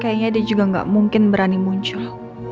kayaknya dia juga gak mungkin berani muncul